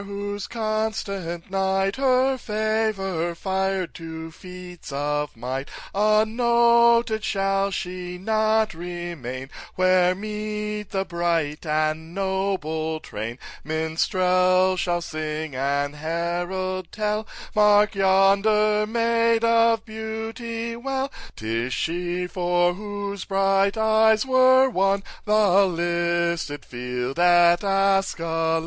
whose constant knight Her favour fired to feats of might; Unnoted shall she not remain, Where meet the bright and noble train; Minstrel shall sing and herald tell— 'Mark yonder maid of beauty well, 'Tis she for whose bright eyes were won The listed field at Askalon!